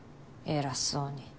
偉そうに。